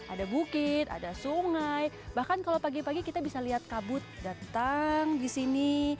ada bukit ada sungai bahkan kalau pagi pagi kita bisa lihat kabut datang di sini